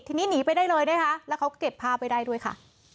ทีนี้หนีไปได้เลยนะคะแล้วเขาเก็บภาพไว้ได้ด้วยค่ะ